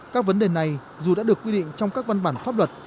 các vấn đề này dù đã được quy định trong các văn bản pháp luật